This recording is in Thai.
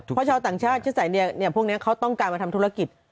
เพราะชาวต่างชาติชุดสายพวกนี้เขาต้องการมาทำธุรกิจ